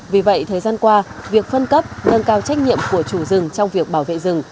vì vậy thời gian qua việc phân cấp nâng cao trách nhiệm của chủ rừng trong việc bảo vệ rừng